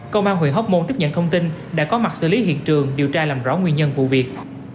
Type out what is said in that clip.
công an huyện hóc môn tiếp nhận thông tin đã có mặt xử lý hiện trường điều tra làm rõ nguyên nhân vụ việc